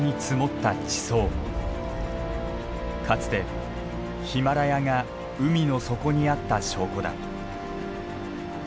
かつてヒマラヤが海の底にあった証拠だ。